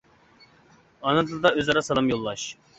ئانا تىلدا ئۆز ئارا سالام يوللاش.